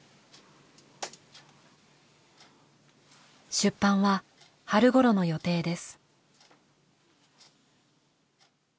出版は春ごろの予定です。